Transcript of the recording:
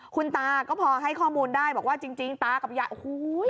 คุณตาก็พอให้ข้อมูลได้บอกว่าจริงตากับยายโอ้โห